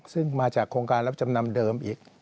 ซึ่งมาจากโครงการรับจำนำเดิมอีก